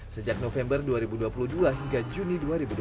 sejak november dua ribu dua puluh dua hingga juni dua ribu dua puluh